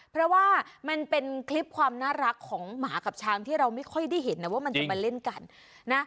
เพราะว่ามันเป็นคลิปความน่ารักของหมากับช้างที่เราไม่ค่อยได้เห็นนะว่ามันจะมาเล่นกันนะ